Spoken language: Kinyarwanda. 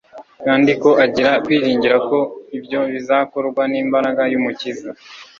kandi ko agira kwiringira ko ibyo bizakorwa n'imbaraga y'Umukiza.